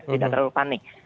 tidak terlalu panik